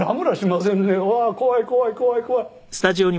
「うわー怖い怖い怖い怖い」